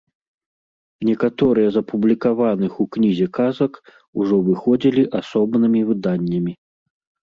Некаторыя з апублікаваных у кнізе казак ужо выходзілі асобнымі выданнямі.